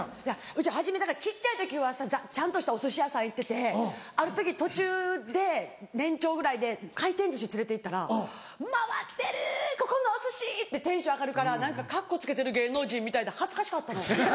うち初め小っちゃい時はちゃんとしたお寿司屋さん行っててある時途中で年長ぐらいで回転寿司連れて行ったら「回ってるここのお寿司！」ってテンション上がるから何かカッコつけてる芸能人みたいで恥ずかしかったの。